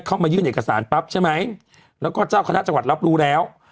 มายื่นเอกสารปั๊บใช่ไหมแล้วก็เจ้าคณะจังหวัดรับรู้แล้ว